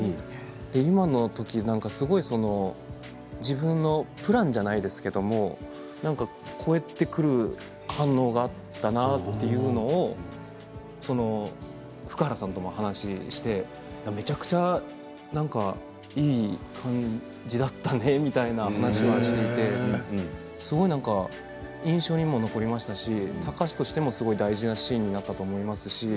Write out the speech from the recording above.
今の時、すごい何か自分のプランじゃないですけれどぐっとくる反応があったなというのを福原さんとも話をしてめちゃくちゃいい感じだったねみたいな話をしていてすごい印象にも残りましたし貴司としても大事なシーンになったと思います。